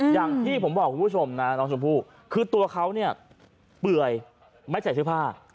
อย่างที่ผมบอกคุณผู้ชมนะน้องชมพู่คือตัวเขาเนี่ยเปื่อยไม่ใส่เสื้อผ้า